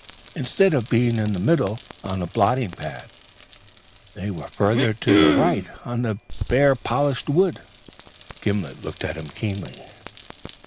Instead of being in the middle, on the blotting pad, they were further to the right, on the bare polished wood." Gimblet looked at him keenly.